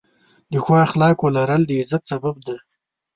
د ښو اخلاقو لرل، د عزت سبب دی.